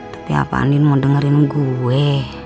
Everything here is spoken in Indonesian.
tapi apa andin mau dengerin gue